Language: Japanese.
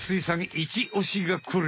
イチオシがこれ。